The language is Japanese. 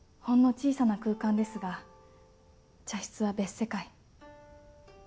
小さな空間ですが茶室は別世界。